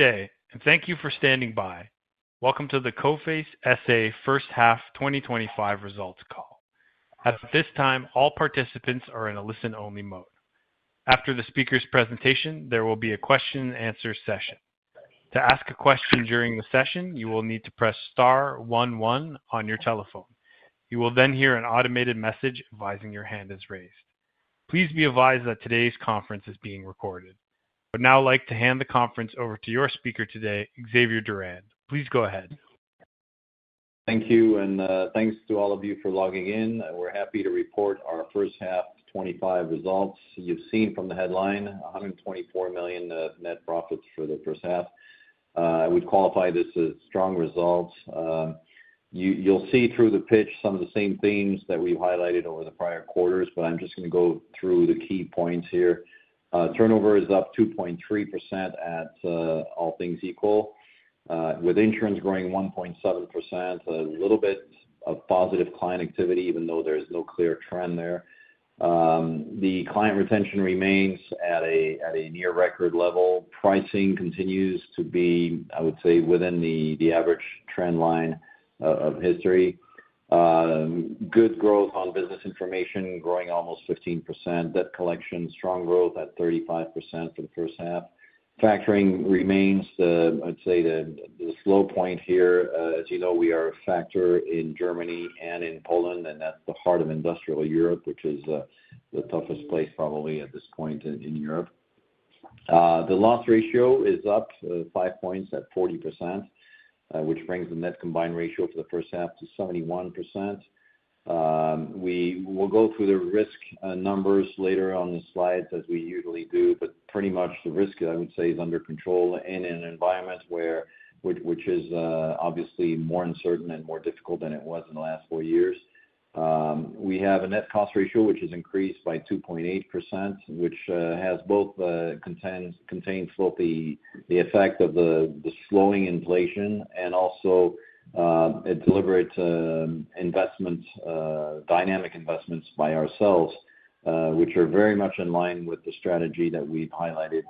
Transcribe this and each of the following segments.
Good day, and thank you for standing by. Welcome to the Coface SA first half 2025 results call. At this time, all participants are in a listen-only mode. After the speaker's presentation, there will be a question-and-answer session. To ask a question during the session, you will need to press star one one on your telephone. You will then hear an automated message advising your hand is raised. Please be advised that today's conference is being recorded. I would now like to hand the conference over to your speaker today, Xavier Durand. Please go ahead. Thank you, and thanks to all of you for logging in. We're happy to report our first half 2025 results. You've seen from the headline 124 million net profit for the first half. I would qualify this as strong results. You'll see through the pitch some of the same themes that we've highlighted over the prior quarters, but I'm just going to go through the key points here. Turnover is up 2.3% at all things equal, with insurance growing 1.7%, a little bit of positive client activity, even though there's no clear trend there. The client retention remains at a near-record level. Pricing continues to be, I would say, within the average trend line of history. Good growth on business information, growing almost 15%. Debt collection, strong growth at 35% for the first half. Factoring remains, I'd say, the slow point here. As you know, we are a factor in Germany and in Poland, and that's the heart of industrial Europe, which is the toughest place probably at this point in Europe. The loss ratio is up five points at 40%, which brings the net combined ratio for the first half to 71%. We will go through the risk numbers later on the slides as we usually do, but pretty much the risk, I would say, is under control in an environment which is obviously more uncertain and more difficult than it was in the last four years. We have a net cost ratio which has increased by 2.8%, which has both contained both the effect of the slowing inflation and also a deliberate investment, dynamic investments by ourselves, which are very much in line with the strategy that we've highlighted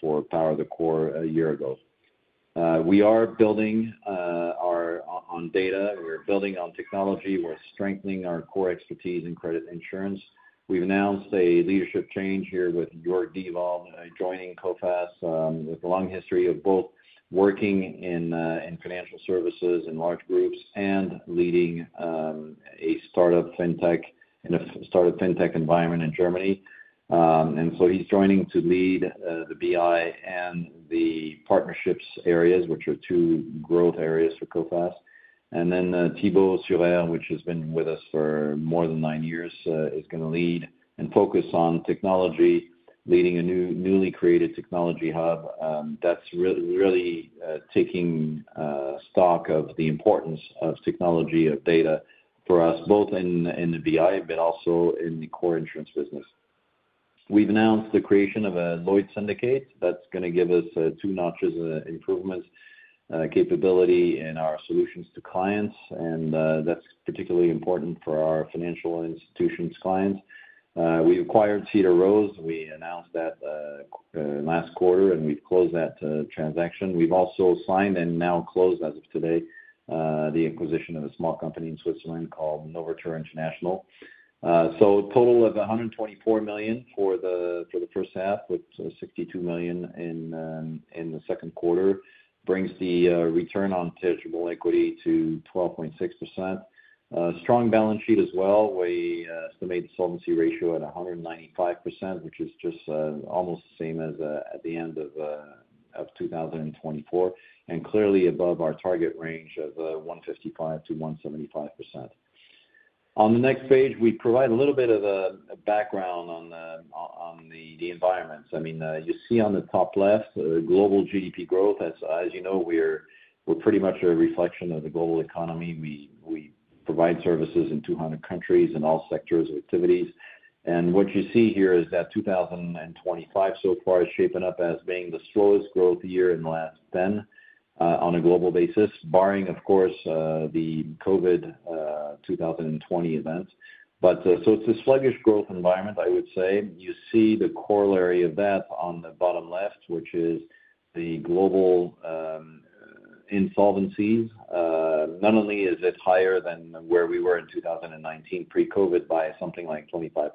for Power of the Core a year ago. We are building on data. We're building on technology. We're strengthening our core expertise in credit insurance. We've announced a leadership change here Jörg Diewald joining Coface with a long history of both working in financial services in large groups and leading a startup fintech environment in Germany. He is joining to lead the business information and the partnerships areas, which are two growth areas for Coface. Thibault Suré, who has been with us for more than nine years, is going to lead and focus on technology, leading a newly created technology hub that's really taking stock of the importance of technology, of data for us, both in the business information, but also in the core insurance business. We've announced the creation of a Lloyd's Syndicate that's going to give us two notches of improvement capability in our solutions to clients, and that's particularly important for our financial institutions clients. We've acquired Cedar Rose. We announced that last quarter, and we've closed that transaction. We've also signed and now closed as of today the acquisition of a small company in Switzerland called Novature International. A total of 124 million for the first half, with 62 million in the second quarter, brings the return on tangible equity to 12.6%. Strong balance sheet as well. We estimate the solvency ratio at 195%, which is just almost the same as at the end of 2024, and clearly above our target range of 155% to 175%. On the next page, we provide a little bit of a background on the environments. I mean, you see on the top left, global GDP growth. As you know, we're pretty much a reflection of the global economy. We provide services in 200 countries in all sectors of activities. What you see here is that 2025 so far is shaping up as being the slowest growth year in the last 10 on a global basis, barring, of course, the COVID 2020 event. It's this sluggish growth environment, I would say. You see the corollary of that on the bottom left, which is the global insolvencies. Not only is it higher than where we were in 2019 pre-COVID by something like 25%,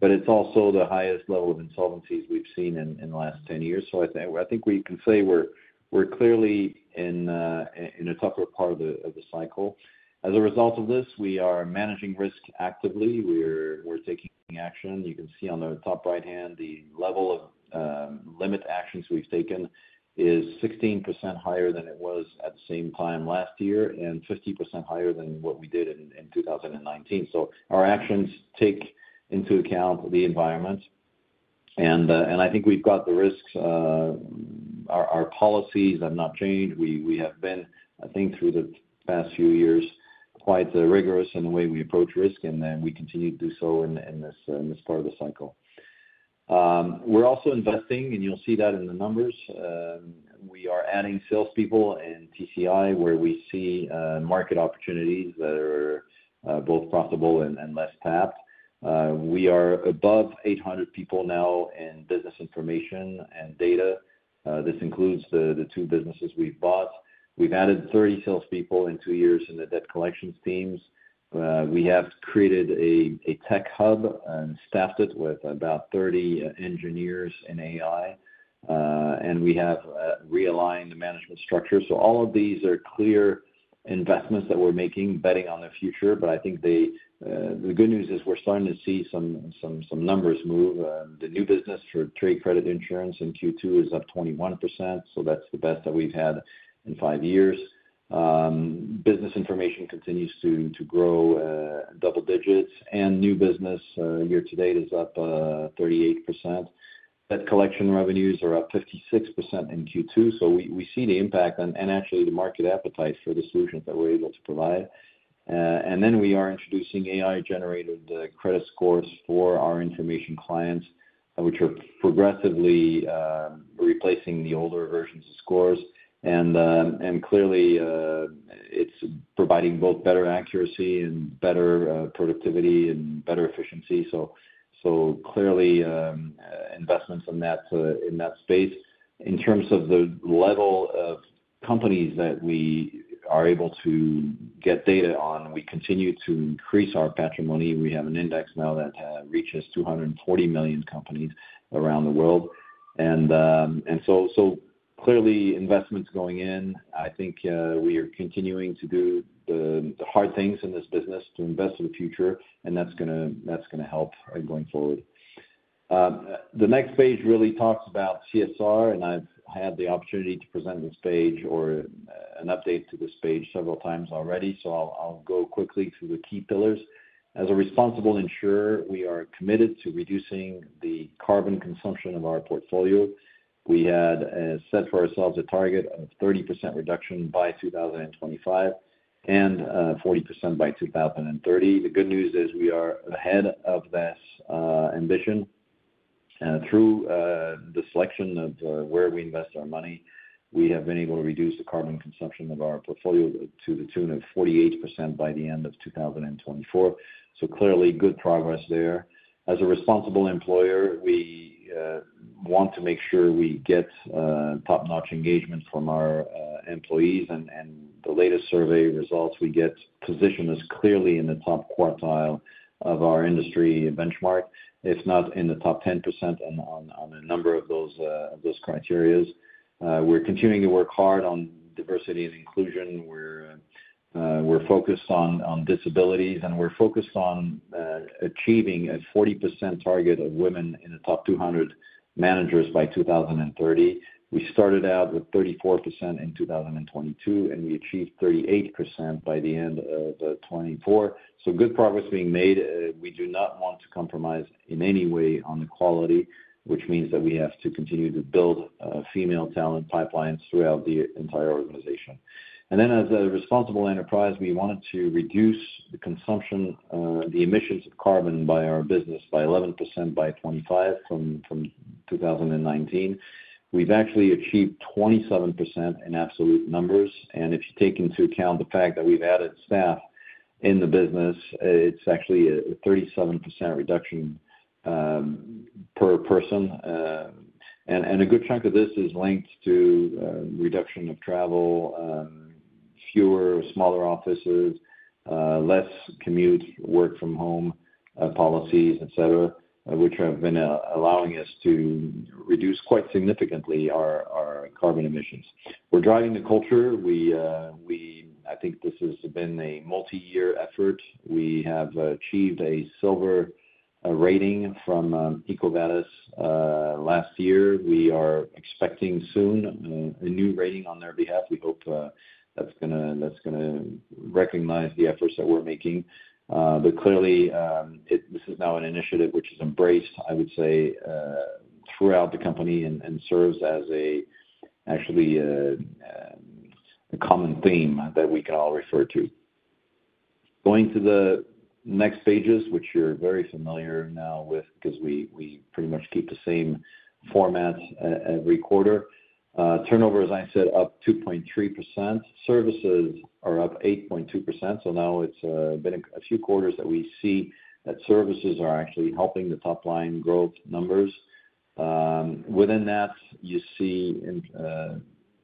but it's also the highest level of insolvencies we've seen in the last 10 years. I think we can say we're clearly in a tougher part of the cycle. As a result of this, we are managing risk actively. We're taking action. You can see on the top right hand, the level of limit actions we've taken is 16% higher than it was at the same time last year and 50% higher than what we did in 2019. Our actions take into account the environment. I think we've got the risks. Our policies have not changed. We have been, I think, through the past few years, quite rigorous in the way we approach risk, and we continue to do so in this part of the cycle. We're also investing, and you'll see that in the numbers. We are adding salespeople in trade credit insurance, where we see market opportunities that are both profitable and less tapped. We are above 800 people now in business information and data. This includes the two businesses we've bought. We've added 30 salespeople in two years in the debt collection teams. We have created a tech hub and staffed it with about 30 engineers in AI. We have realigned the management structure. All of these are clear investments that we're making, betting on the future. The good news is we're starting to see some numbers move. The new business for trade credit insurance in Q2 is up 21%. That's the best that we've had in five years. Business information continues to grow double digits, and new business year to date is up 38%. Debt collection revenues are up 56% in Q2. We see the impact and actually the market appetite for the solutions that we're able to provide. We are introducing AI-generated credit scores for our information clients, which are progressively replacing the older versions of scores. Clearly, it's providing both better accuracy and better productivity and better efficiency. Clearly, investments in that space. In terms of the level of companies that we are able to get data on, we continue to increase our patrimony. We have an index now that reaches 240 million companies around the world. Clearly, investments going in. We are continuing to do the hard things in this business to invest in the future, and that's going to help going forward. The next page really talks about CSR, and I've had the opportunity to present this page or an update to this page several times already. I'll go quickly through the key pillars. As a responsible insurer, we are committed to reducing the carbon consumption of our portfolio. We had set for ourselves a target of 30% reduction by 2025 and 40% by 2030. The good news is we are ahead of this ambition. Through the selection of where we invest our money, we have been able to reduce the carbon consumption of our portfolio to the tune of 48% by the end of 2024. Clearly, good progress there. As a responsible employer, we want to make sure we get top-notch engagement from our employees. The latest survey results we get position us clearly in the top quartile of our industry benchmark, if not in the top 10% and on a number of those criteria. We're continuing to work hard on diversity and inclusion. We're focused on disabilities, and we're focused on achieving a 40% target of women in the top 200 managers by 2030. We started out with 34% in 2022, and we achieved 38% by the end of 2024. Good progress being made. We do not want to compromise in any way on the quality, which means that we have to continue to build female talent pipelines throughout the entire organization. As a responsible enterprise, we wanted to reduce the consumption, the emissions of carbon by our business by 11% by 2025 from 2019. We've actually achieved 27% in absolute numbers. If you take into account the fact that we've added staff in the business, it's actually a 37% reduction per person. A good chunk of this is linked to reduction of travel, fewer or smaller offices, less commute, work-from-home policies, etc., which have been allowing us to reduce quite significantly our carbon emissions. We're driving the culture. I think this has been a multi-year effort. We have achieved a silver rating from EcoVadis last year. We are expecting soon a new rating on their behalf. We hope that's going to recognize the efforts that we're making. Clearly, this is now an initiative which is embraced, I would say, throughout the company and serves as actually a common theme that we can all refer to. Going to the next pages, which you're very familiar now with because we pretty much keep the same format every quarter. Turnover, as I said, up 2.3%. Services are up 8.2%. Now it's been a few quarters that we see that services are actually helping the top line growth numbers. Within that, you see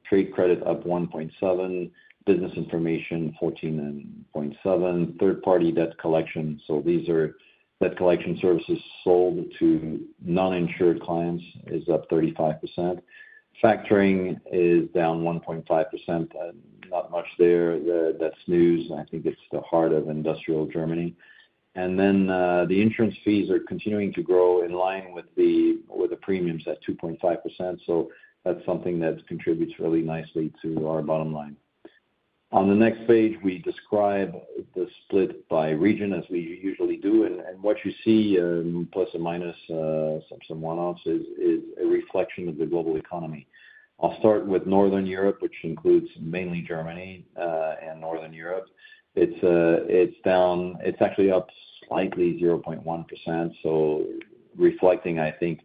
trade credit up 1.7%, business information 14.7%, third-party debt collection. These are debt collection services sold to non-insured clients, up 35%. Factoring is down 1.5%. Not much there. That's news. I think it's the heart of industrial Germany. The insurance fees are continuing to grow in line with the premiums at 2.5%. That's something that contributes really nicely to our bottom line. On the next page, we describe the split by region, as we usually do. What you see, plus and minus some one-offs, is a reflection of the global economy. I'll start with Northern Europe, which includes mainly Germany and Northern Europe. It's actually up slightly 0.1%, reflecting, I think,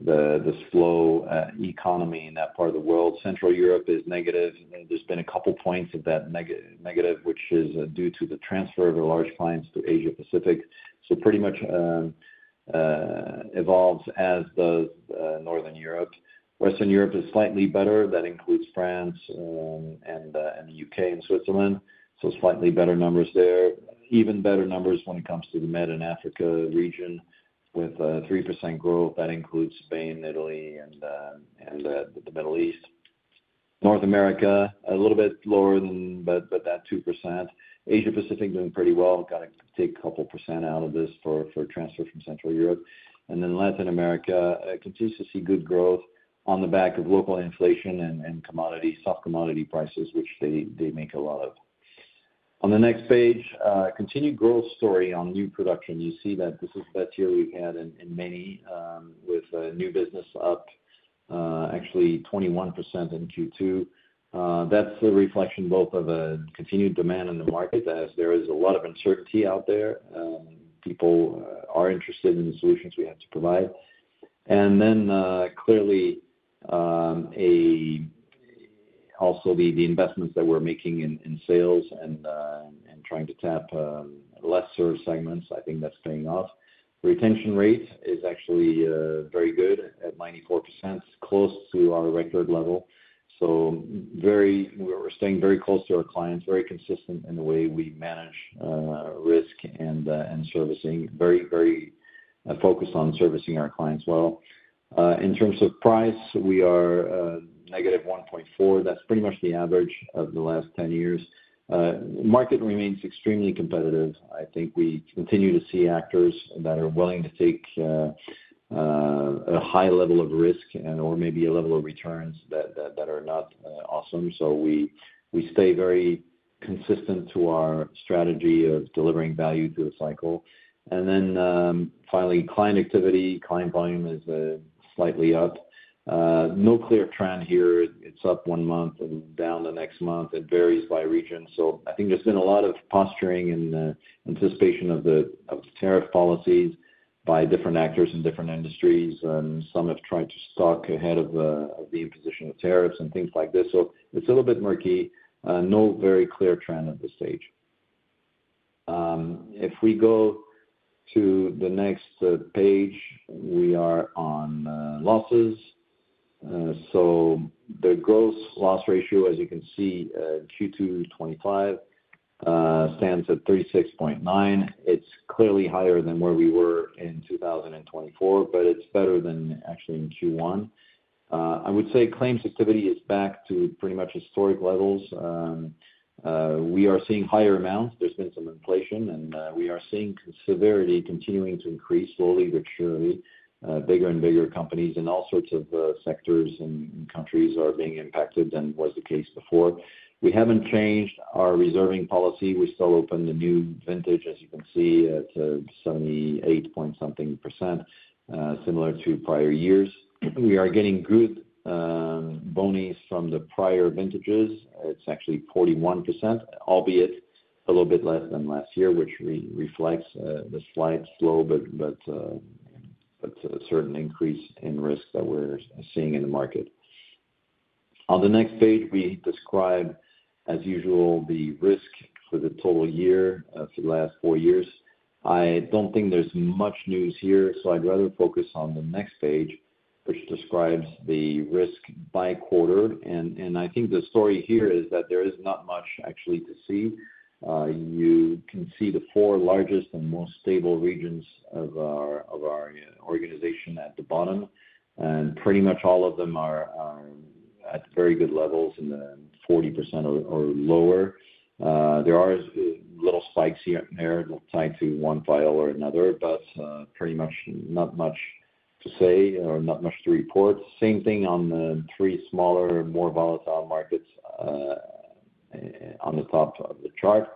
the slow economy in that part of the world. Central Europe is negative. There's been a couple of points of that negative, which is due to the transfer of large clients to Asia-Pacific. Pretty much evolves as does Northern Europe. Western Europe is slightly better. That includes France and the U.K. and Switzerland. Slightly better numbers there. Even better numbers when it comes to the Mid and Africa region with 3% growth. That includes Spain, Italy, and the Middle East. North America, a little bit lower than that 2%. Asia-Pacific doing pretty well. Got to take a couple of % out of this for transfer from Central Europe. Latin America continues to see good growth on the back of local inflation and soft commodity prices, which they make a lot of. On the next page, continued growth story on new production. You see that this is the best year we've had in many, with new business up actually 21% in Q2. That's a reflection both of a continued demand in the market, as there is a lot of uncertainty out there. People are interested in the solutions we have to provide. Clearly, also the investments that we're making in sales and trying to tap lesser segments, I think that's paying off. Retention rate is actually very good at 94%, close to our record level. We're staying very close to our clients, very consistent in the way we manage risk and servicing. Very, very focused on servicing our clients well. In terms of price, we are -1.4. That's pretty much the average of the last 10 years. The market remains extremely competitive. I think we continue to see actors that are willing to take a high level of risk and/or maybe a level of returns that are not awesome. We stay very consistent to our strategy of delivering value through the cycle. Finally, client activity, client volume is slightly up. No clear trend here. It's up one month and down the next month. It varies by region. I think there's been a lot of posturing in anticipation of the tariff policies by different actors in different industries. Some have tried to stock ahead of the imposition of tariffs and things like this. It's a little bit murky. No very clear trend at this stage. If we go to the next page, we are on losses. The gross loss ratio, as you can see, Q2 2025 stands at 36.9%. It's clearly higher than where we were in 2024, but it's better than actually in Q1. I would say claims activity is back to pretty much historic levels. We are seeing higher amounts. There's been some inflation, and we are seeing severity continuing to increase slowly but surely. Bigger and bigger companies in all sorts of sectors and countries are being impacted than was the case before. We haven't changed our reserving policy. We still open the new vintage, as you can see, to 78 point something %, similar to prior years. We are getting good bonus from the prior vintages. It's actually 41%, albeit a little bit less than last year, which reflects the slight slow, but certain increase in risk that we're seeing in the market. On the next page, we describe, as usual, the risk for the total year for the last four years. I don't think there's much news here, so I'd rather focus on the next page, which describes the risk by quarter. I think the story here is that there is not much actually to see. You can see the four largest and most stable regions of our organization at the bottom. Pretty much all of them are at very good levels in the 40% or lower. There are little spikes here and there tied to one file or another, but pretty much not much to say or not much to report. Same thing on the three smaller, more volatile markets on the top of the chart.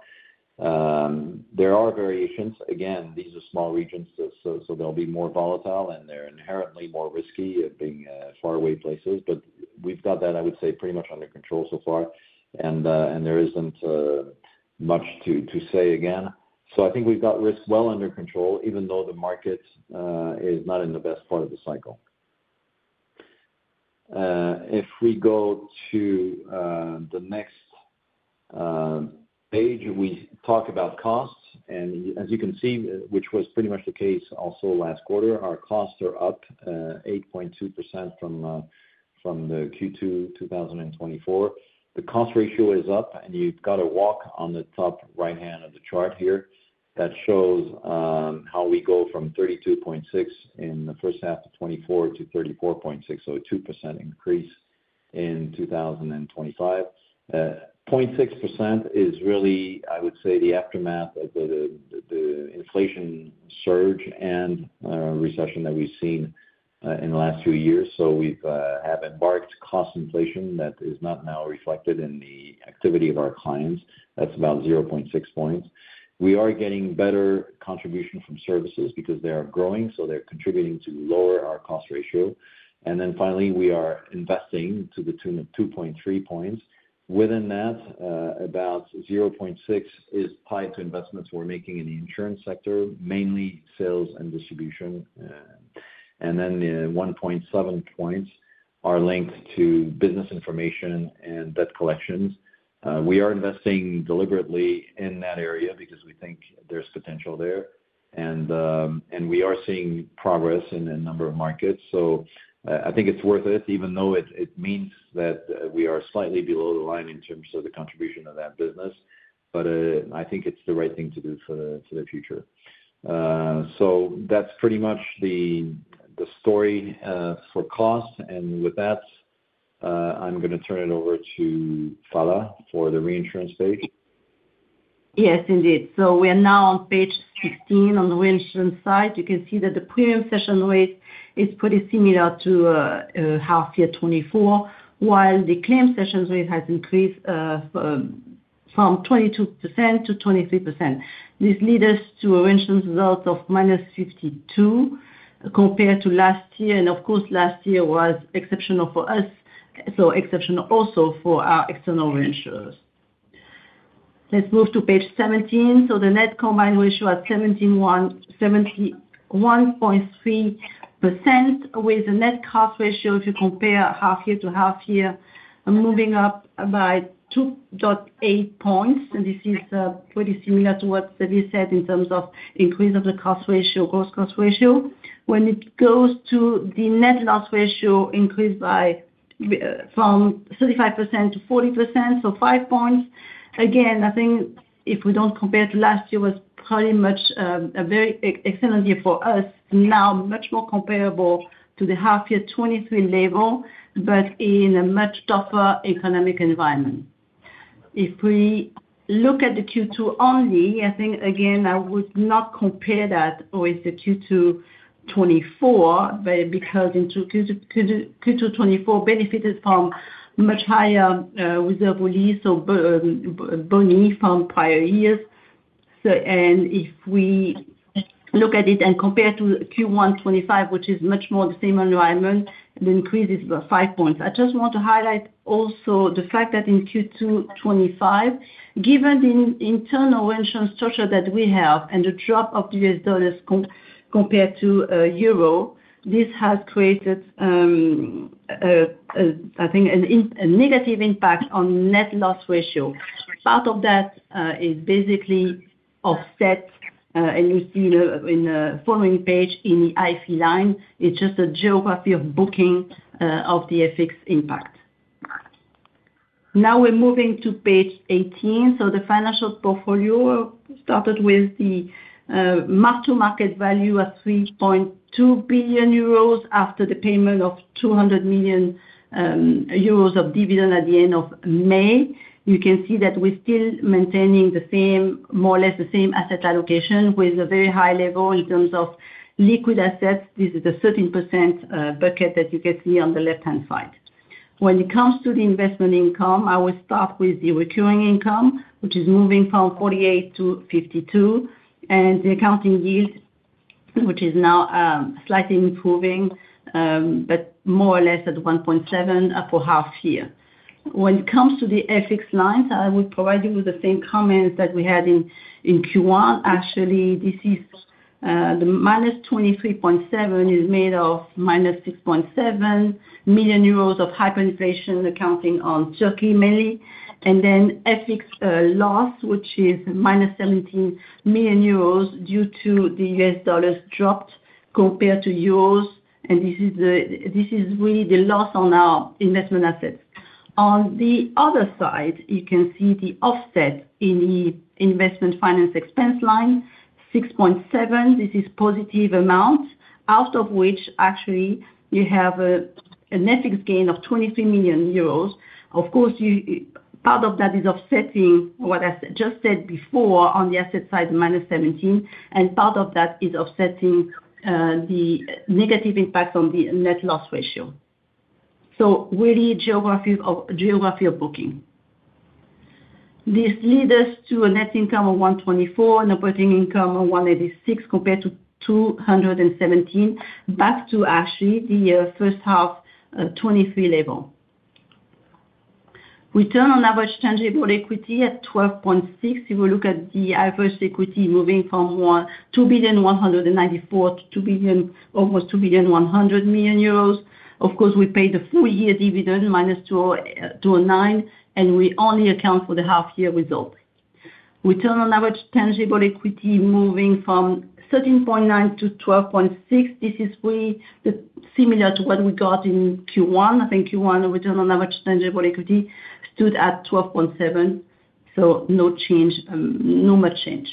There are variations. These are small regions, so they'll be more volatile and they're inherently more risky of being faraway places. We've got that, I would say, pretty much under control so far. There isn't much to say again. I think we've got risk well under control, even though the market is not in the best part of the cycle. If we go to the next page, we talk about costs. As you can see, which was pretty much the case also last quarter, our costs are up 8.2% from Q2 2024. The cost ratio is up, and you've got a walk on the top right hand of the chart here that shows how we go from 32.6 in the first half to 2024 to 34.6, so a 2% increase in 2025. 0.6% is really, I would say, the aftermath of the inflation surge and recession that we've seen in the last few years. We have embarked cost inflation that is not now reflected in the activity of our clients. That's about 0.6 points. We are getting better contribution from services because they are growing, so they're contributing to lower our cost ratio. Finally, we are investing to the tune of 2.3 points. Within that, about 0.6 is tied to investments we're making in the insurance sector, mainly sales and distribution. 1.7 points are linked to business information and debt collection. We are investing deliberately in that area because we think there's potential there. We are seeing progress in a number of markets. I think it's worth it, even though it means that we are slightly below the line in terms of the contribution of that business. I think it's the right thing to do for the future. That's pretty much the story for cost. With that, I'm going to turn it over to Phalla for the reinsurance page. Yes, indeed. We are now on page 16 on the reinsurance side. You can see that the premium cession rate is pretty similar to half year 2024, while the claim cession rate has increased from 22% to 23%. This leads us to a reinsurance result of -52 compared to last year. Last year was exceptional for us, so exceptional also for our external reinsurers. Let's move to page 17. The net combined ratio at 71.3% with a net cost ratio, if you compare half year to half year, moving up by 2.8 points. This is pretty similar to what Sally said in terms of increase of the cost ratio, gross cost ratio. When it goes to the net loss ratio, increased from 35% to 40%, so 5 points. Again, if we don't compare to last year, it was pretty much a very excellent year for us. It's now much more comparable to the half year 2023 level, but in a much tougher economic environment. If we look at the Q2 only, I would not compare that with the Q2 2024, because Q2 2024 benefited from much higher reserve, so bonus from prior years. If we look at it and compare to Q1 2025, which is much more the same environment, the increase is about 5 points. I just want to highlight also the fact that in Q2 2025, given the internal reinsurance structure that we have and the drop of the U.S. dollars compared to euro, this has created a negative impact on net loss ratio. Part of that is basically offset. You see in the following page in the IFE line, it's just a geography of booking of the FX impact. Now we're moving to page 18. The financial portfolio started with the market value at 3.2 billion euros after the payment of 200 million euros of dividend at the end of May. You can see that we're still maintaining more or less the same asset allocation with a very high level in terms of liquid assets. This is the 13% bucket that you can see on the left-hand side. When it comes to the investment income, I will start with the recurring income, which is moving from 48 to 52, and the accounting yield, which is now slightly improving, but more or less at 1.7 for half year. When it comes to the FX lines, I would provide you with the same comments that we had in Q1. Actually, the -23.7 is made of -6.7 million euros of hyperinflation accounting on Turkey mainly, and then FX loss, which is -17 million euros due to the U.S. dollars dropped compared to euros. This is really the loss on our investment assets. On the other side, you can see the offset in the investment finance expense line, 6.7. This is a positive amount, out of which actually you have an FX gain of 23 million euros. Of course, part of that is offsetting what I just said before on the asset side, the -17. Part of that is offsetting the negative impacts on the net loss ratio. Really, geography of booking. This leads us to a net income of 124 and operating income of 186 compared to 217, back to actually the first half 2023 level. Return on average tangible equity at 12.6%. If we look at the average equity moving from 2,194 million euros to almost EUR 2,100 million. Of course, we pay the full year dividend -209, and we only account for the half-year result. Return on average tangible equity moving from 13.9% to 12.6%. This is really similar to what we got in Q1. I think Q1 return on average tangible equity stood at 12.7%. No change, not much change.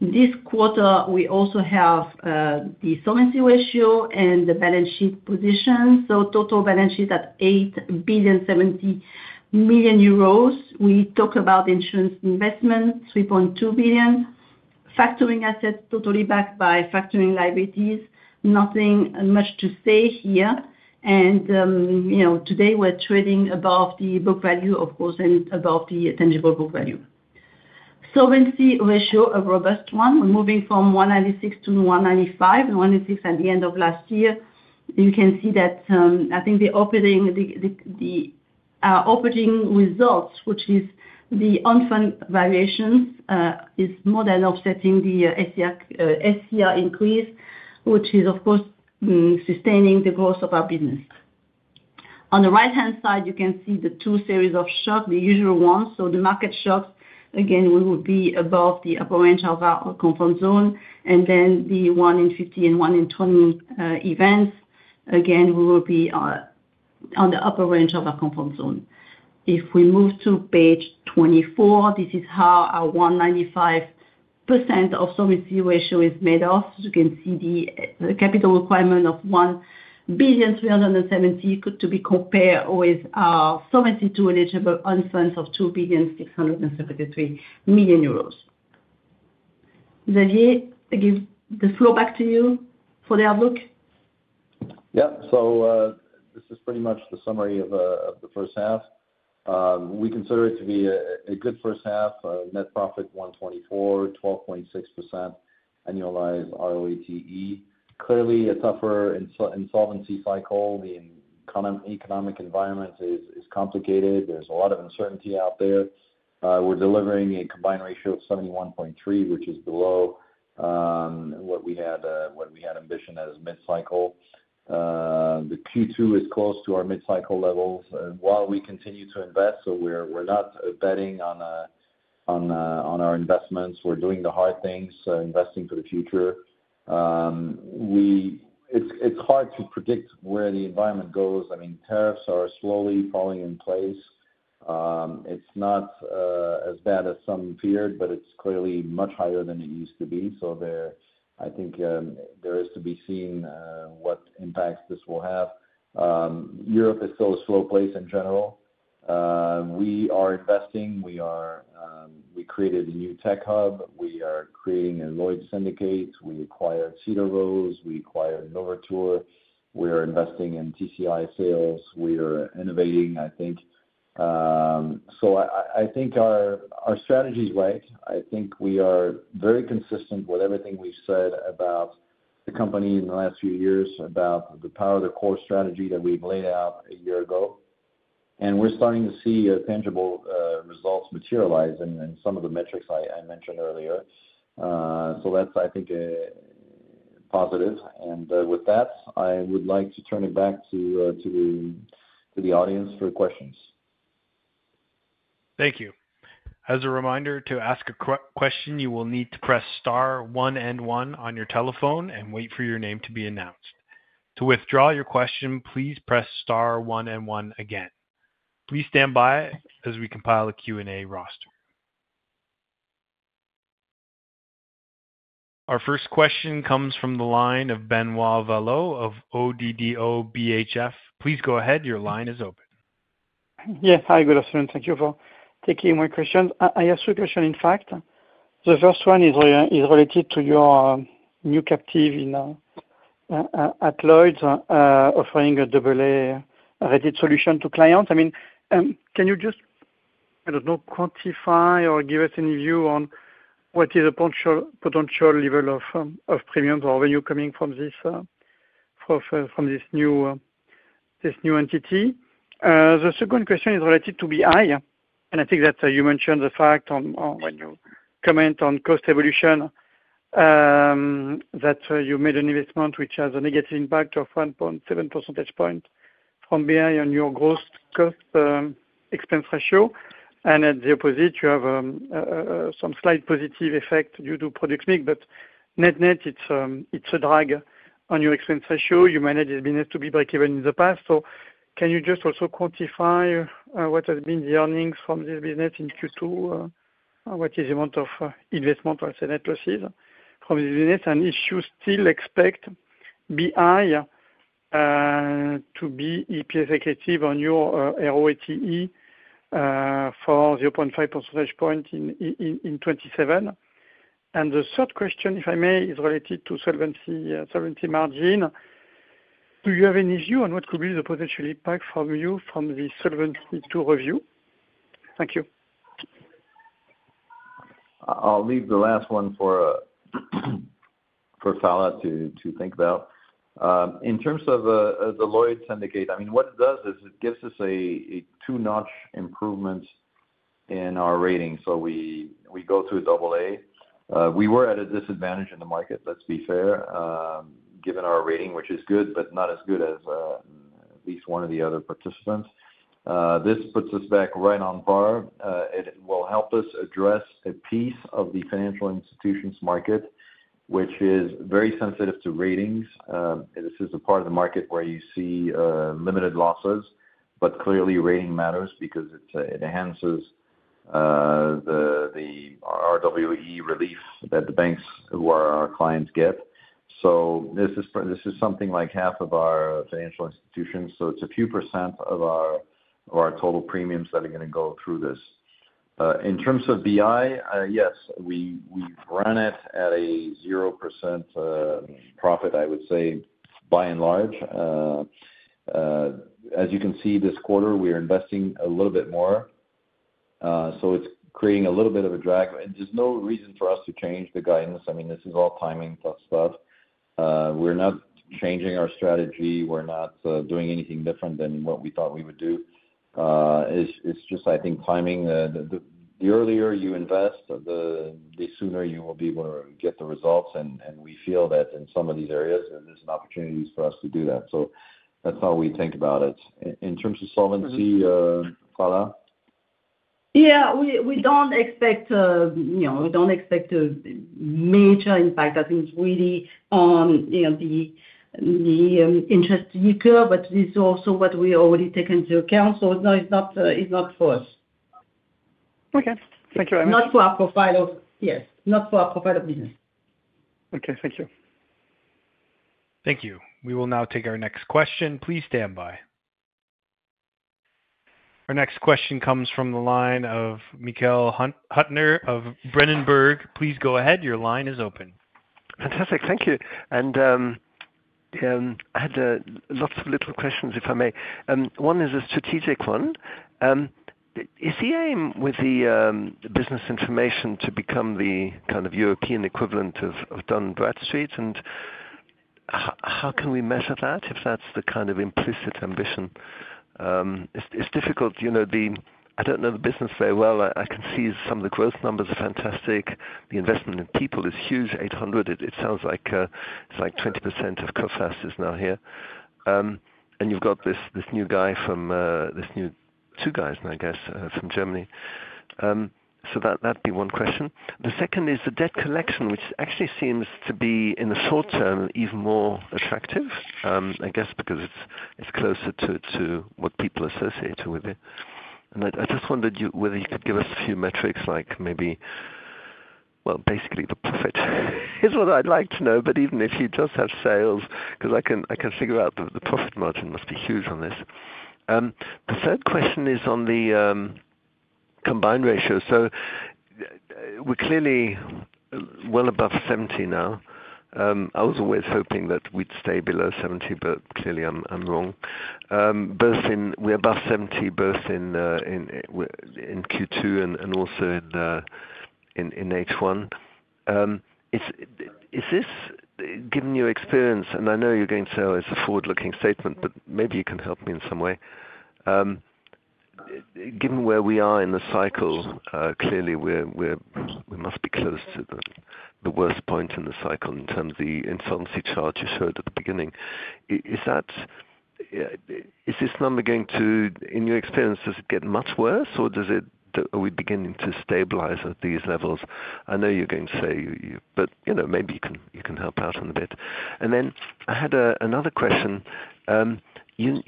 This quarter, we also have the solvency ratio and the balance sheet position. Total balance sheet at 8,070 million euros. We talk about insurance investment, 3.2 billion. Factoring assets totally backed by factoring liabilities. Nothing much to say here. You know today we're trading above the book value, of course, and above the tangible book value. Solvency ratio, a robust one. We're moving from 196% to 195%. 196% at the end of last year. You can see that I think the operating results, which is the on-fund valuations, is more than offsetting the SCR increase, which is, of course, sustaining the growth of our business. On the right-hand side, you can see the two series of shocks, the usual ones. The market shocks, again, we would be above the upper range of our comfort zone. The 1 in 50 and 1 in 20 events, again, we will be on the upper range of our comfort zone. If we move to page 24, this is how our 195% of solvency ratio is made of. You can see the capital requirement of 1,370 million to be compared with our solvency to eligible on funds of 2,673 million euros. Xavier, I give the floor back to you for the outlook. Yeah. This is pretty much the summary of the first half. We consider it to be a good first half. Net profit 124 million, 12.6% annualized ROATE. Clearly, a tougher insolvency cycle. The economic environment is complicated. There's a lot of uncertainty out there. We're delivering a combined ratio of 71.3%, which is below what we had ambition as mid-cycle. The Q2 is close to our mid-cycle levels while we continue to invest. We're not betting on our investments. We're doing the hard things, investing for the future. It's hard to predict where the environment goes. I mean, tariffs are slowly falling in place. It's not as bad as some feared, but it's clearly much higher than it used to be. There is to be seen what impacts this will have. Europe is still a slow place in general. We are investing. We created a new tech hub. We are creating a Lloyd's Syndicate. We acquired Cedar Rose. We acquired Novature International. We are investing in trade credit insurance sales. We are innovating, I think. I think our strategy is right. I think we are very consistent with everything we've said about the company in the last few years, about the Power of the Core strategy that we've laid out a year ago. We're starting to see tangible results materialize in some of the metrics I mentioned earlier. I think that's a positive. With that, I would like to turn it back to the audience for questions. Thank you. As a reminder, to ask a question, you will need to press star one and one on your telephone and wait for your name to be announced. To withdraw your question, please press star one and one again. Please stand by as we compile a Q&A roster. Our first question comes from the line of Benoît Vallot of Oddo BHF. Please go ahead. Your line is open. Yes. Hi. Good afternoon. Thank you for taking my questions. I have two questions. In fact, the first one is related to your new captive at Lloyd's offering a AA-rated solution to clients. Can you just, I don't know, quantify or give us any view on what is the potential level of premiums or revenue coming from this new entity? The second question is related to BI. I think that you mentioned the fact when you comment on cost evolution that you made an investment which has a negative impact of 1.7% on BI on your gross cost expense ratio. At the opposite, you have some slight positive effect due to product mix. Net-net, it's a drag on your expense ratio. You managed this business to be breakeven in the past. Can you just also quantify what has been the earnings from this business in Q2? What is the amount of investment, let's say, net losses from this business? Do you still expect BI to be EPS accretive on your ROATE for 0.5% in 2027? The third question, if I may, is related to solvency margin. Do you have any view on what could be the potential impact from you from the solvency 2 review? Thank you. I'll leave the last one for Phalla to think about. In terms of the Lloyd's Syndicate, what it does is it gives us a two-notch improvement in our rating. We go through a AA. We were at a disadvantage in the market, let's be fair, given our rating, which is good, but not as good as at least one of the other participants. This puts us back right on par. It will help us address a piece of the financial institutions market, which is very sensitive to ratings. This is the part of the market where you see limited losses. Clearly, rating matters because it enhances the RWE relief that the banks who are our clients get. This is something like half of our financial institutions. It's a few percent of our total premiums that are going to go through this. In terms of business information, we've run it at a 0% profit, I would say, by and large. As you can see, this quarter, we're investing a little bit more. It's creating a little bit of a drag. There's no reason for us to change the guidance. This is all timing stuff. We're not changing our strategy. We're not doing anything different than what we thought we would do. It's just, I think, timing. The earlier you invest, the sooner you will be able to get the results. We feel that in some of these areas, there's an opportunity for us to do that. That's how we think about it. In terms of solvency, Phalla? Yeah. We don't expect a major impact. I think it's really on the interest to occur, but it's also what we already take into account. It's not for us. Okay, thank you very much. Not for our profile of business. Okay, thank you. Thank you. We will now take our next question. Please stand by. Our next question comes from the line of Michael Huttner of Berenberg. Please go ahead. Your line is open. Fantastic. Thank you. I had lots of little questions, if I may. One is a strategic one. Is the aim with the business information to become the kind of European equivalent of Dun & Bradstreet? How can we measure that if that's the kind of implicit ambition? It's difficult. I don't know the business very well. I can see some of the growth numbers are fantastic. The investment in people is huge, 800. It sounds like it's like 20% of Coface is now here. You've got this new guy from this new two guys, I guess, from Germany. That'd be one question. The second is the debt collection, which actually seems to be, in the short term, even more attractive, I guess, because it's closer to what people associate with it. I just wondered whether you could give us a few metrics like maybe, well, basically, the profit. Here's what I'd like to know. Even if you just have sales, because I can figure out the profit margin must be huge on this. The third question is on the combined ratio. We're clearly well above 70 now. I was always hoping that we'd stay below 70, but clearly, I'm wrong. We're above 70 both in Q2 and also in H1. Given your experience, and I know you're going to say it's a forward-looking statement, maybe you can help me in some way. Given where we are in the cycle, clearly, we must be close to the worst point in the cycle in terms of the insolvency chart you showed at the beginning. Is this number going to, in your experience, does it get much worse, or are we beginning to stabilize at these levels? I know you're going to say, but maybe you can help out on a bit. I had another question. You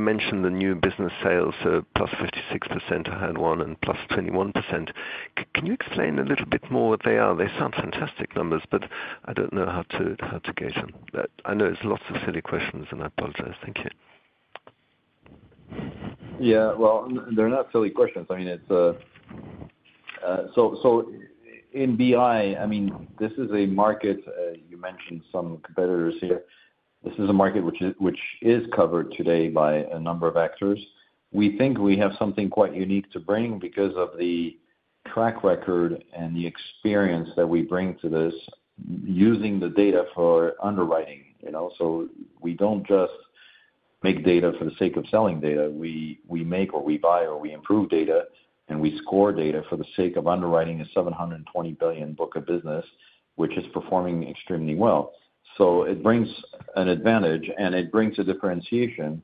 mentioned the new business sales are +56%, I heard one, and +21%. Can you explain a little bit more what they are? They sound fantastic numbers, but I don't know how to gauge them. I know it's lots of silly questions, and I apologize. Thank you. They're not silly questions. In business information, this is a market. You mentioned some competitors here. This is a market which is covered today by a number of actors. We think we have something quite unique to bring because of the track record and the experience that we bring to this using the data for underwriting. We don't just make data for the sake of selling data. We make or we buy or we improve data, and we score data for the sake of underwriting a 720 billion book of business, which is performing extremely well. It brings an advantage, and it brings a differentiation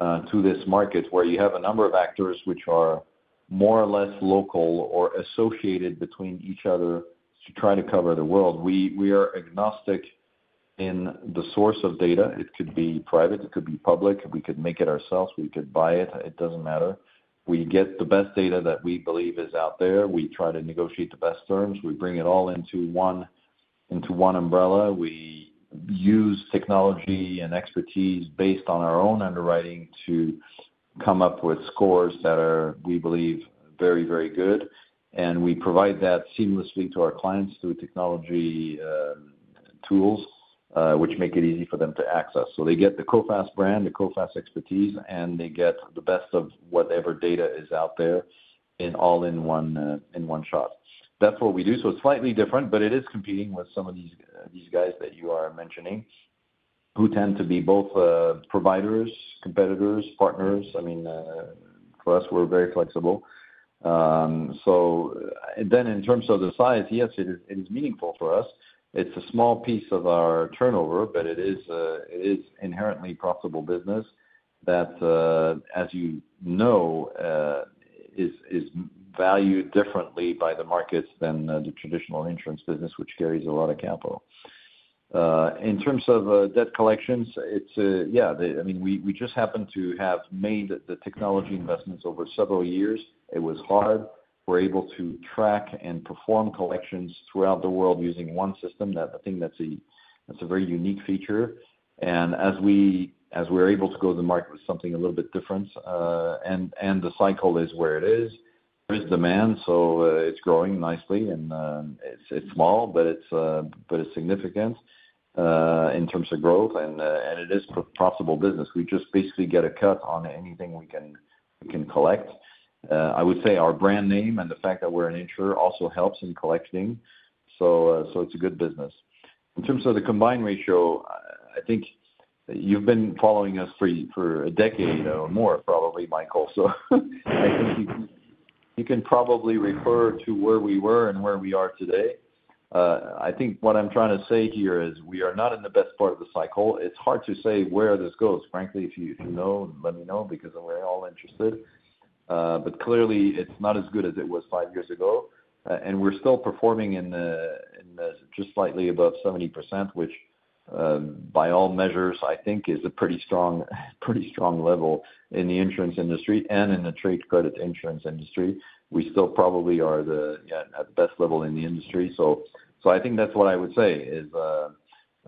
to this market where you have a number of actors which are more or less local or associated between each other to try to cover the world. We are agnostic in the source of data. It could be private. It could be public. We could make it ourselves. We could buy it. It doesn't matter. We get the best data that we believe is out there. We try to negotiate the best terms. We bring it all into one umbrella. We use technology and expertise based on our own underwriting to come up with scores that are, we believe, very, very good. We provide that seamlessly to our clients through technology tools, which make it easy for them to access. They get the Coface brand, the Coface expertise, and they get the best of whatever data is out there all in one shot. That's what we do. It's slightly different, but it is competing with some of these guys that you are mentioning who tend to be both providers, competitors, partners. For us, we're very flexible. In terms of the size, yes, it is meaningful for us. It's a small piece of our turnover, but it is inherently a profitable business that, as you know, is valued differently by the markets than the traditional insurance business, which carries a lot of capital. In terms of debt collection, we just happen to have made the technology investments over several years. It was hard. We're able to track and perform collections throughout the world using one system. I think that's a very unique feature. As we're able to go to the market with something a little bit different, and the cycle is where it is, there is demand. It's growing nicely. It's small, but it's significant in terms of growth. It is a profitable business. We just basically get a cut on anything we can collect. I would say our brand name and the fact that we're an insurer also helps in collecting. It's a good business. In terms of the combined ratio, I think you've been following us for a decade or more, probably, Michael. I think you can probably refer to where we were and where we are today. What I'm trying to say here is we are not in the best part of the cycle. It's hard to say where this goes. Frankly, if you know, let me know because we're all interested. Clearly, it's not as good as it was five years ago. We're still performing in just slightly above 70%, which by all measures, I think, is a pretty strong level in the insurance industry and in the trade credit insurance industry. We still probably are at the best level in the industry. That's what I would say.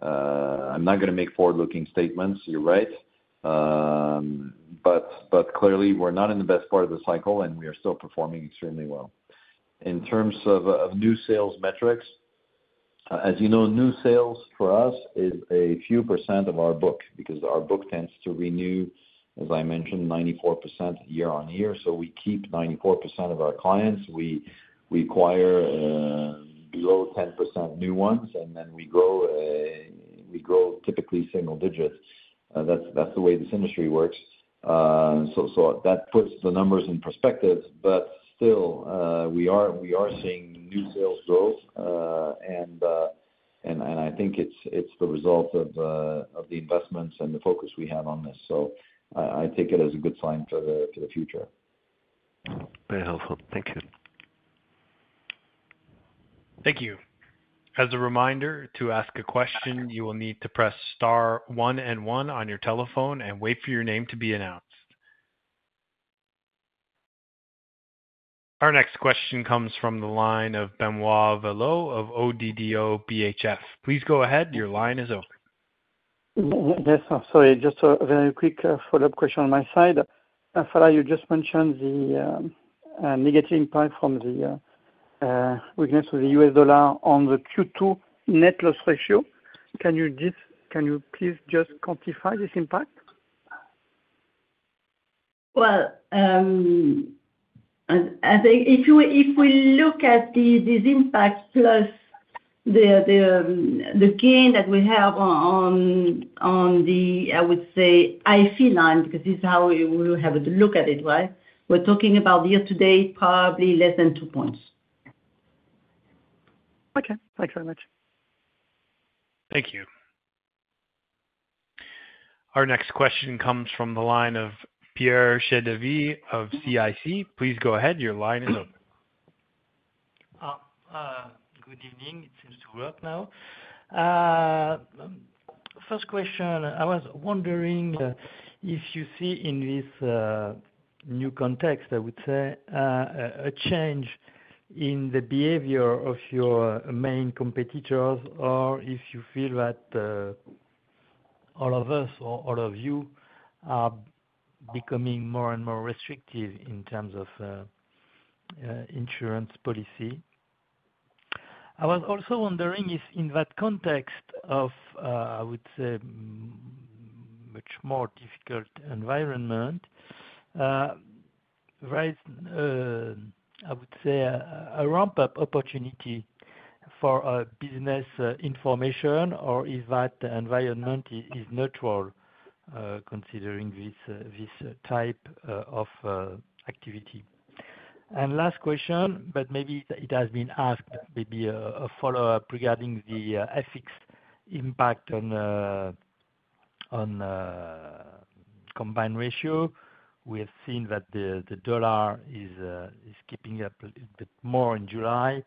I'm not going to make forward-looking statements. You're right. Clearly, we're not in the best part of the cycle, and we are still performing extremely well. In terms of new sales metrics, as you know, new sales for us is a few % of our book because our book tends to renew, as I mentioned, 94% year-on-year. We keep 94% of our clients. We acquire below 10% new ones, and then we grow typically single digits. That's the way this industry works. That puts the numbers in perspective. Still, we are seeing new sales grow, and I think it's the result of the investments and the focus we have on this. I take it as a good sign for the future. Very helpful. Thank you. Thank you. As a reminder, to ask a question, you will need to press star one and one on your telephone and wait for your name to be announced. Our next question comes from the line of Benoît Vallot of Oddo BHF. Please go ahead. Your line is open. Yes. I'm sorry. Just a very quick follow-up question on my side. Phalla, you just mentioned the negative impact from the weakness of the U.S. dollar on the Q2 net loss ratio. Can you please just quantify this impact? I think if we look at this impact plus the gain that we have on the, I would say, IFE line, because this is how we have a look at it, right? We're talking about year-to-date probably less than two points. Okay, thanks very much. Thank you. Our next question comes from the line of Pierre Chédeville of CIC. Please go ahead. Your line is open. Good evening. It seems to work now. First question, I was wondering if you see in this new context, I would say, a change in the behavior of your main competitors or if you feel that all of us or all of you are becoming more and more restrictive in terms of insurance policy. I was also wondering if in that context of, I would say, a much more difficult environment, I would say, a ramp-up opportunity for business information or if that environment is neutral considering this type of activity. Last question, but maybe it has been asked, maybe a follow-up regarding the FX impact on combined ratio. We have seen that the dollar is skipping a bit more in July.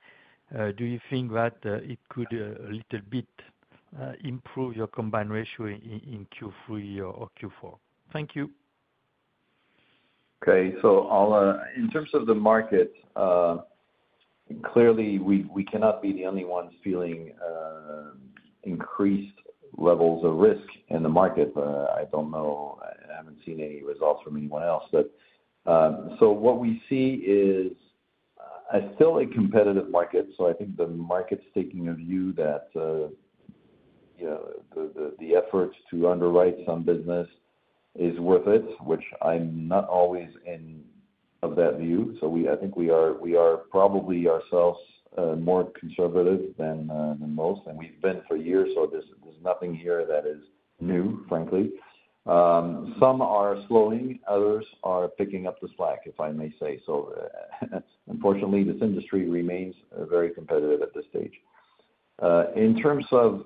Do you think that it could a little bit improve your combined ratio in Q3 or Q4? Thank you. Okay. In terms of the market, clearly, we cannot be the only ones feeling increased levels of risk in the market. I don't know. I haven't seen any results from anyone else. What we see is still a competitive market. I think the market's taking a view that the efforts to underwrite some business is worth it, which I'm not always in of that view. I think we are probably ourselves more conservative than most, and we've been for years, so there's nothing here that is new, frankly. Some are slowing. Others are picking up the slack, if I may say. Unfortunately, this industry remains very competitive at this stage. In terms of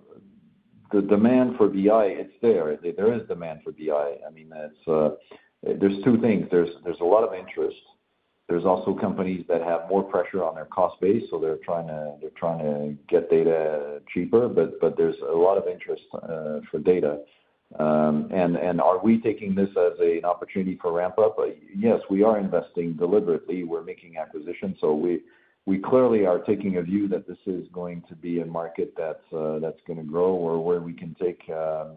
the demand for business information, it's there. There is demand for business information. There are two things. There's a lot of interest. There are also companies that have more pressure on their cost base, so they're trying to get data cheaper. There's a lot of interest for data. Are we taking this as an opportunity for ramp-up? Yes, we are investing deliberately. We're making acquisitions. We clearly are taking a view that this is going to be a market that's going to grow or where we can take a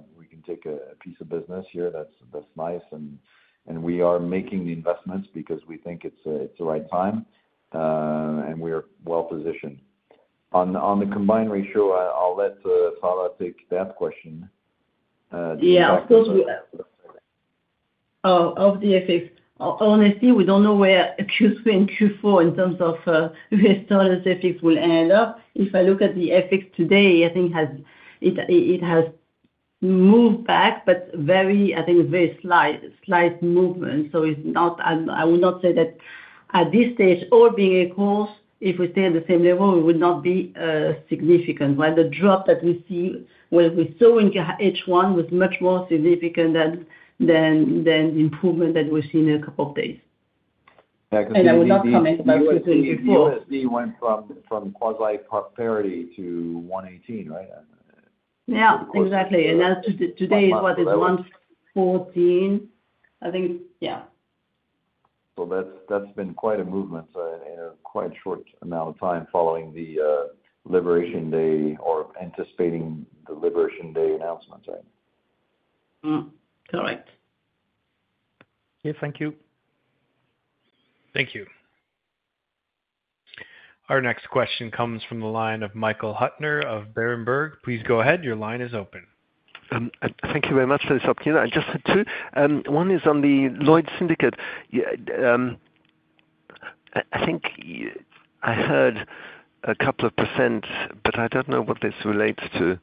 piece of business here. That's nice. We are making the investments because we think it's the right time, and we are well positioned. On the combined ratio, I'll let Phalla take that question. Yeah. Of the FX, honestly, we don't know where Q3 and Q4 in terms of U.S. dollars FX will end up. If I look at the FX today, I think it has moved back, but very, I think, very slight movement. It's not, I would not say that at this stage, all being a cause, if we stay at the same level, it would not be significant. The drop that we see, we saw in H1 was much more significant than the improvement that we've seen in a couple of days. Yeah, because we didn't see it. I would not comment about Q3 and Q4. We immediately went from quasi-parity to 1.18, right? Yeah, exactly. As of today, it is 114, I think, yeah. That's been quite a movement in a quite short amount of time following the Liberation Day or anticipating the Liberation Day announcements, right? Correct. Thank you. Thank you. Our next question comes from the line of Michael Huttner of Berenberg. Please go ahead. Your line is open. Thank you very much for this opportunity. I just had two. One is on the Lloyd's Syndicate. I think I heard a couple of percent, but I don't know what this relates to.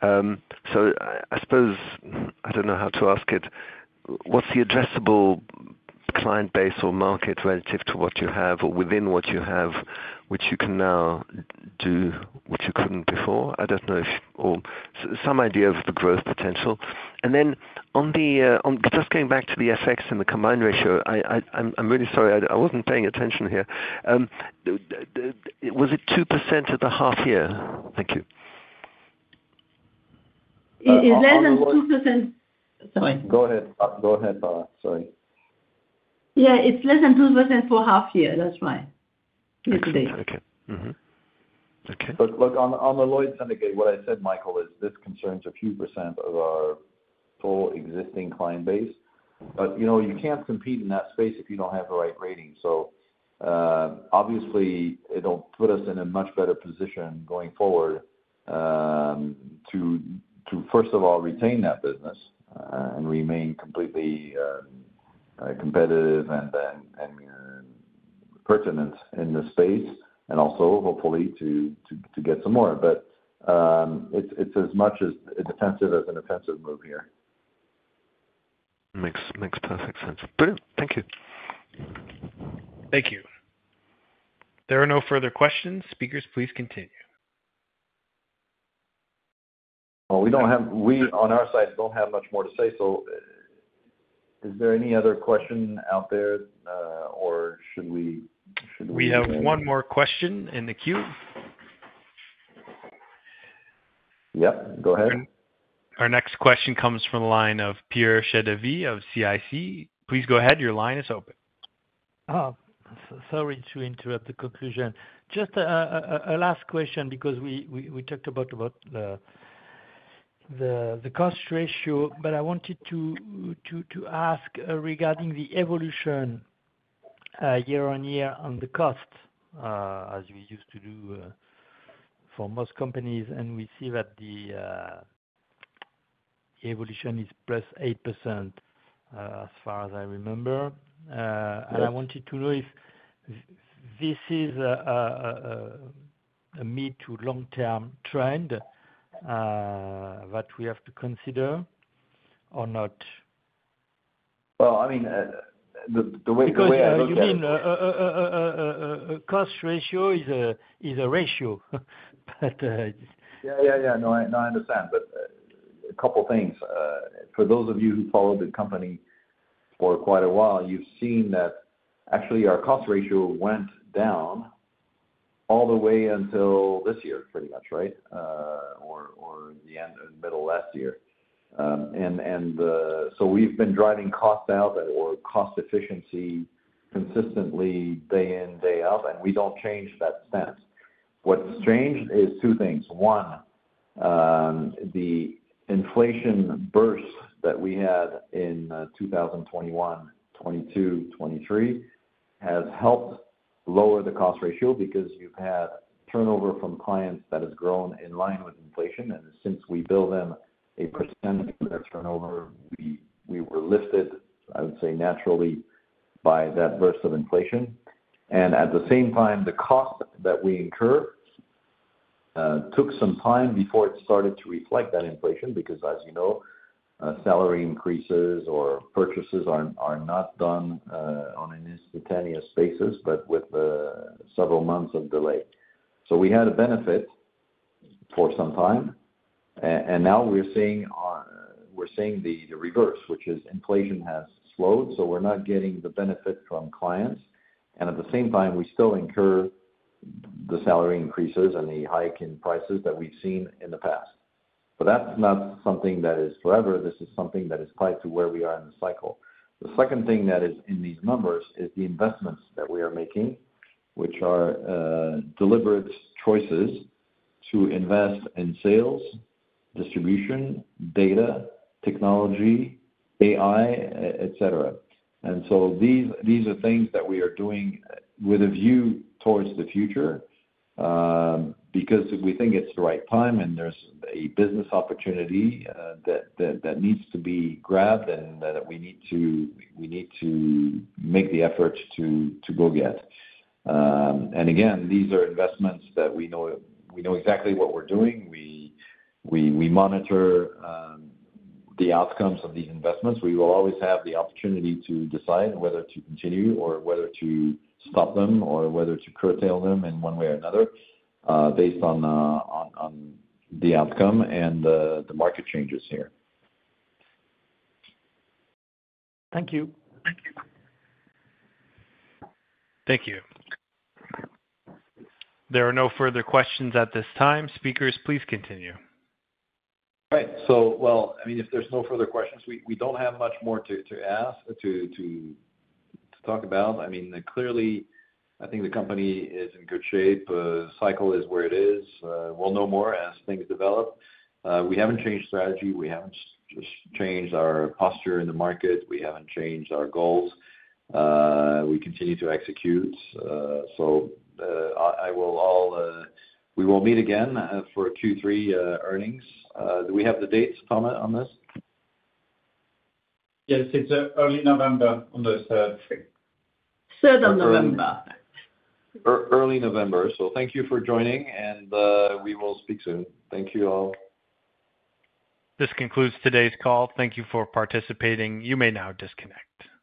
I suppose I don't know how to ask it. What's the addressable client base or market relative to what you have or within what you have, which you can now do, which you couldn't before? I don't know if or some idea of the growth potential. Just going back to the FX and the combined ratio, I'm really sorry. I wasn't paying attention here. Was it 2% at the half year? Thank you. It's less than 2%. Sorry. Go ahead, Phalla. Sorry. Yeah, it's less than 2% for half year. That's right. Okay. On the Lloyd's Syndicate, what I said, Michael, is this concerns a few % of our full existing client base. You know, you can't compete in that space if you don't have the right rating. Obviously, it'll put us in a much better position going forward to, first of all, retain that business and remain completely competitive and pertinent in the space and also hopefully to get some more. It's as much a defensive as an offensive move here. Makes perfect sense. Brilliant. Thank you. Thank you. There are no further questions. Speakers, please continue. We on our side don't have much more to say. Is there any other question out there, or should we? We have one more question in the queue. Yep, go ahead. Our next question comes from the line of Pierre Chédeville of CIC. Please go ahead. Your line is open. Oh, sorry to interrupt the conclusion. Just a last question because we talked about the cost ratio, but I wanted to ask regarding the evolution year-on-year on the cost, as we used to do for most companies. We see that the evolution is +8%, as far as I remember. I wanted to know if this is a mid to long-term trend that we have to consider or not. I mean, the way I understand. You mean a cost ratio is a ratio. I understand. For those of you who followed the company for quite a while, you've seen that actually our cost ratio went down all the way until this year, pretty much, right? Or the end or the middle of last year. We've been driving costs out or cost efficiency consistently day in, day out. We don't change that stance. What's changed is two things. One, the inflation burst that we had in 2021, 2022, 2023 has helped lower the cost ratio because you've had turnover from clients that has grown in line with inflation. Since we bill them a percentage of their turnover, we were lifted, I would say, naturally by that burst of inflation. At the same time, the cost that we incurred took some time before it started to reflect that inflation because, as you know, salary increases or purchases are not done on an instantaneous basis, but with several months of delay. We had a benefit for some time. Now we're seeing the reverse, which is inflation has slowed. We're not getting the benefit from clients. At the same time, we still incur the salary increases and the hike in prices that we've seen in the past. That's not something that is forever. This is something that is tied to where we are in the cycle. The second thing that is in these numbers is the investments that we are making, which are deliberate choices to invest in sales, distribution, data, technology, AI, etc. These are things that we are doing with a view towards the future because we think it's the right time and there's a business opportunity that needs to be grabbed and that we need to make the effort to go get. Again, these are investments that we know exactly what we're doing. We monitor the outcomes of these investments. We will always have the opportunity to decide whether to continue or whether to stop them or whether to curtail them in one way or another based on the outcome and the market changes here. Thank you. Thank you. There are no further questions at this time. Speakers, please continue. All right. If there's no further questions, we don't have much more to ask or to talk about. Clearly, I think the company is in good shape. The cycle is where it is. We'll know more as things develop. We haven't changed strategy. We haven't changed our posture in the market. We haven't changed our goals. We continue to execute. We will meet again for Q3 earnings. Do we have the dates, Thomas, on this? Yes, it's early November on the 3rd. 3rd of November. Early November. Thank you for joining, and we will speak soon. Thank you all. This concludes today's call. Thank you for participating. You may now disconnect. Thank you.